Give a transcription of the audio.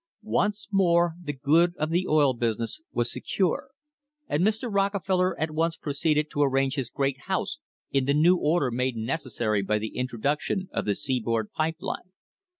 Once more the good of the oil business was secure, and Mr. Rockefeller at once proceeded to arrange his great house in the new order made necessary by the introduction of the sea board pipe line.